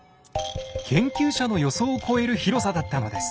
研究者の予想を超える広さだったのです。